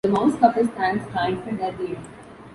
The Mouse couple stands triumphant at the end.